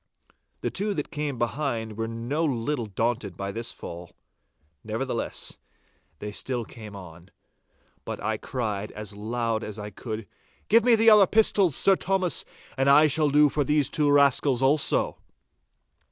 The two that came behind were no little daunted by this fall. Nevertheless, they still came on, but I cried out as loud as I could, 'Give me the other pistols, Sir Thomas, and I shall do for these two scoundrels also!